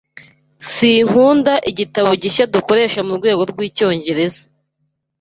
Sinkunda igitabo gishya dukoresha murwego rwicyongereza.